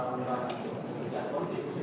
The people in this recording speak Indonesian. pemerintah dan kontribusi